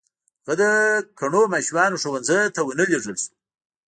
هغه د کڼو ماشومانو ښوونځي ته و نه لېږل شو.